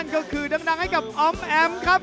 ก็คือดังให้กับออมแอมครับ